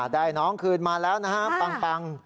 ได้น้องคืนมาแล้วนะฮะปัง